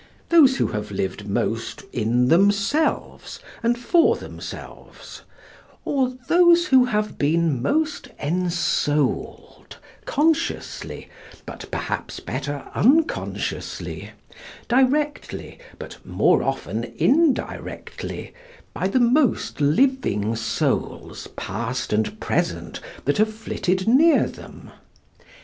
Those who have lived most in themselves and for themselves, or those who have been most ensouled consciously, but perhaps better unconsciously, directly but more often indirectly, by the most living souls past and present that have flitted near them?